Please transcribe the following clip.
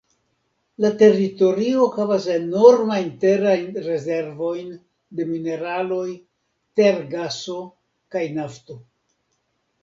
La teritorio havas enormajn terajn rezervojn de mineraloj, tergaso kaj nafto.